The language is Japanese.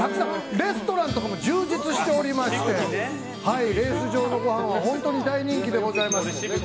レストランとかも充実しておりましてレース場のごはんは本当に大人気でございます。